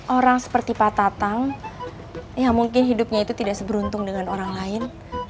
orang seperti pak tatang yang mungkin hidupnya itu tidak seberuntung dengan orang lain